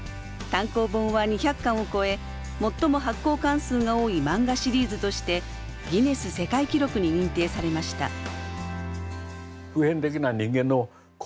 単行本は２００巻を超え最も発行巻数が多い漫画シリーズとしてギネス世界記録に認定されました。